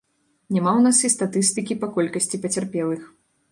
Няма ў нас і статыстыкі па колькасці пацярпелых.